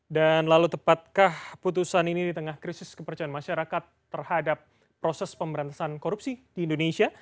dan lalu tepatkah putusan ini di tengah krisis kepercayaan masyarakat terhadap proses pemberantasan korupsi di indonesia